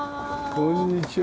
こんにちは。